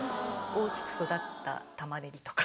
大きく育ったタマネギとか。